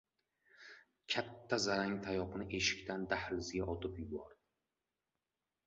Katta zarang tayoqni eshikdan dahlizga otib yubordi.